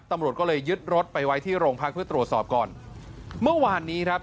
ตำรวจก็เลยยึดรถไปไว้ที่โรงพักเพื่อตรวจสอบก่อนเมื่อวานนี้ครับ